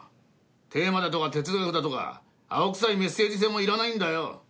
テーマだとか哲学だとか青臭いメッセージ性もいらないんだよ。